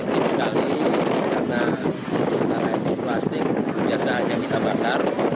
pertama sekali karena kita pakai plastik biasa hanya kita batar